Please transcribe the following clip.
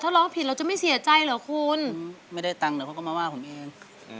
ถ้าร้องผิดเราจะไม่เสียใจเหรอคุณไม่ได้ตังค์เหรอเขาก็มาว่าผมเอง